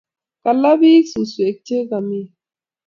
Kalaa peek suswek che kami yu